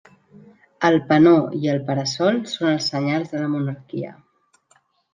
El penó i el para-sol són els senyals de la monarquia.